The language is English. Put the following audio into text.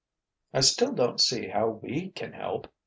"I still don't see how we can help!"